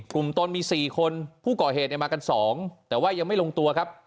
ตนมี๔คนผู้ก่อเหตุเนี่ยมากัน๒แต่ว่ายังไม่ลงตัวครับ